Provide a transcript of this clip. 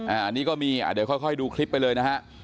อันนี้ก็มีเดี๋ยวค่อยดูคลิปไปเลยนะฮะ